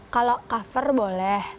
kalau cover boleh